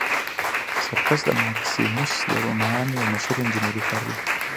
سرکس ماکسیموس د رومیانو یو مشهور انجنیري کار دی.